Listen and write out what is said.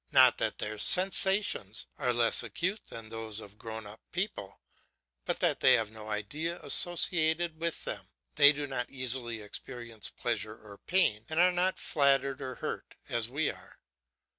Not that their sensations are less acute than those of grown up people, but that there is no idea associated with them; they do not easily experience pleasure or pain, and are not flattered or hurt as we are.